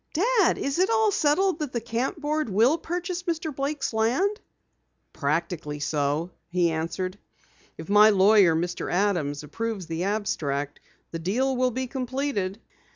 "Dad, is it all settled that the camp board will purchase Mr. Blake's land?" "Practically so," he answered. "If my lawyer, Mr. Adams, approves the abstract, the deal will be completed.